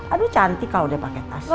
aduh cantik kau deh pake tasnya